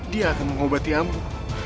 dia akan mengobati ambo